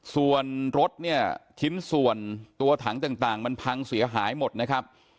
ส่วนรถเนี่ยชิ้นส่วนตัวถังต่างมันพังเสียหายหมดนะครับ